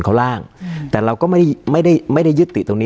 การแสดงความคิดเห็น